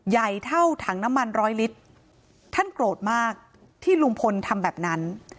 ใหญ่เท่าถังน้ำมันร้อยลิตรท่านโกรธมากที่ลุงพลทำแบบนั้น